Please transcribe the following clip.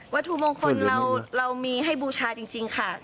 ถุมงคลเรามีให้บูชาจริงค่ะ